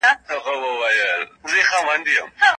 پانګي په اقتصاد کي مهم رول لوبولی و.